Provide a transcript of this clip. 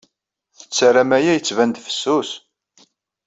Tettarram aya yettban-d fessus.